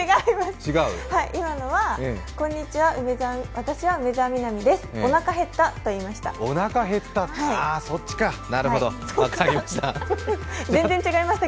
今のはこんにちは私は梅澤美波です、おなかへったと言いました。